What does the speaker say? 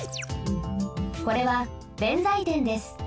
これは弁財天です。